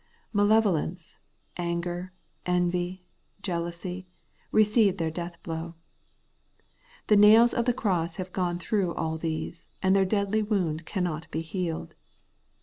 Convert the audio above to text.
Malevolence, anger, envy, jealousy, receive their death blow. The nails of the cross have gone through all these, and their deadly wound cannot be healed.